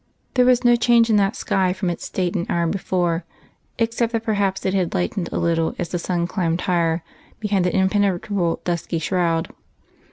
There was no change in that sky from its state an hour before, except that perhaps it had lightened a little as the sun climbed higher behind that impenetrable dusky shroud.